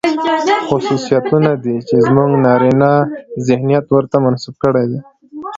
خصوصيتونه دي، چې زموږ نارينه ذهنيت ورته منسوب کړي دي.